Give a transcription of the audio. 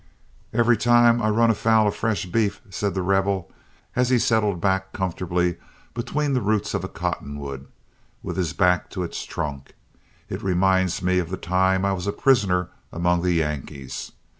"Every time I run a foul of fresh beef," said The Rebel, as he settled back comfortably between the roots of a cottonwood, with his back to its trunk, "it reminds me of the time I was a prisoner among the Yankees.